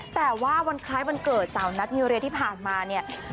แต่ว่าวันคล้ายวันเกิดสาวนัทมีเรียที่ผ่านมาเนี่ย